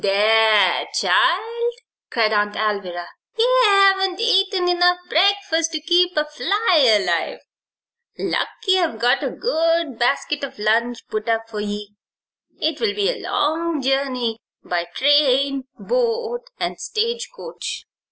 "There, child!" cried Aunt Alvirah, "ye haven't eaten enough breakfast to keep a fly alive. Lucky I've got a good basket of lunch put up for ye. It'll be a long journey by train, boat, and stage coach.